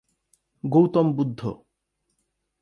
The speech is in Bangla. গৌতম বুদ্ধ